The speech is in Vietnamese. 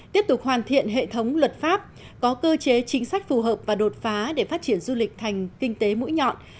tiếp tục hoàn thiện hệ thống luật pháp có cơ chế chính sách phù hợp và đột phá để phát triển du lịch thành kinh tế mũi nhọn